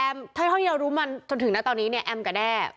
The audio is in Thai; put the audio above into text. แอมที่เรารู้มันจนถึงตอนนี้แอมกับแด้